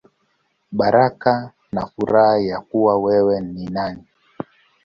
Baraka na Furaha Ya Kuwa Wewe Ni Nani.